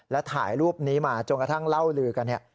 และถ่ายรูปนี้มาจนกระทั่งเล่าลือกันเนี่ย